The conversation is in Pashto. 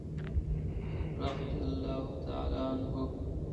رضي الله تعالی عنه.